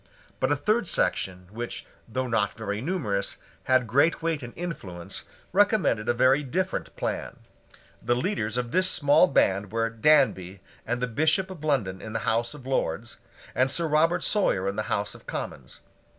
But a third section, which, though not very numerous, had great weight and influence, recommended a very different plan. The leaders of this small band were Danby and the Bishop of London in the House of Lords, and Sir Robert Sawyer in the House of Commons.